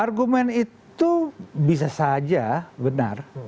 argumen itu bisa saja benar